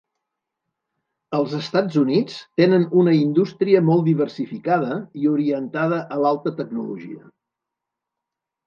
Els Estats Units tenen una indústria molt diversificada i orientada a l'alta tecnologia.